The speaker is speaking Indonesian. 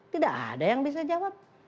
tidak ada yang bisa jawab